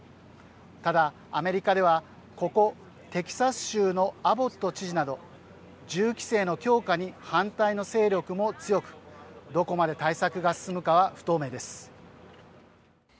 ただ、アメリカではここテキサス州のアボット知事など銃規制の強化に反対の勢力も強くどこまで対策が進むかは不透明です。